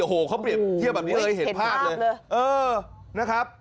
โอ้โหเขาเปรียบเทียบแบบนี้เลยเห็นภาพเลยเออนะครับ